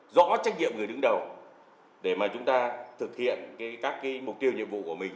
rõ trách nhiệm người đứng đầu để mà chúng ta thực hiện các mục tiêu nhiệm vụ của mình